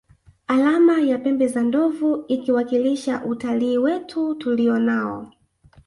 Alama ya pembe za ndovu ikiwakilisha utalii wetu tulio nao